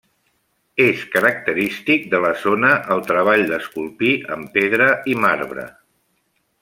És característic de la zona el treball d'esculpir en pedra i marbre.